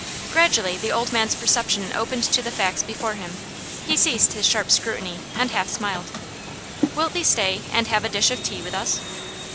Gradually the old man's perception opened to the facts before him. He ceased his sharp scrutiny, and half smiled. "Wilt thee stay, and have a dish of tea with us?"